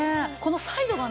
サイドがね